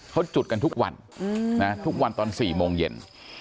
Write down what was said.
เขาจุดกันทุกวันทุกวันตอน๔โมงเย็น